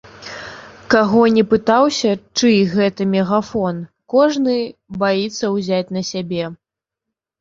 Каго не пытаўся, чый гэта мегафон, кожны баіцца ўзяць на сябе!